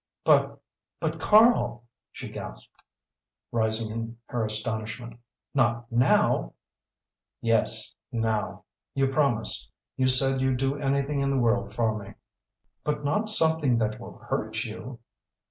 "But but Karl," she gasped, rising in her astonishment "not now!" "Yes now. You promised. You said you'd do anything in the world for me." "But not something that will hurt you!"